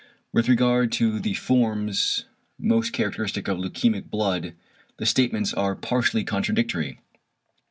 With regard to the forms most characteristic of leukæmic blood the statements are partially contradictory.